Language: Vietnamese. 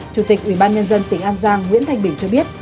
chủ tịch ubnd tỉnh an giang nguyễn thanh bình cho biết